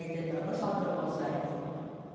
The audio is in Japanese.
その時お財布を。